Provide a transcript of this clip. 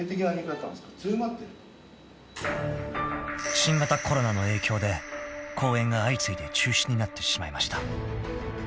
［新型コロナの影響で公演が相次いで中止になってしまいました］